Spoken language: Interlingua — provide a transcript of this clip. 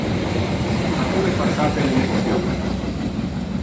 Ha tu repassate le lection?